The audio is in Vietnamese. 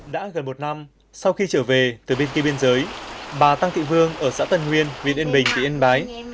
đã gần một năm sau khi trở về từ bên kia biên giới bà tăng thị vương ở xã tân nguyên huyện yên bình tỉnh yên bái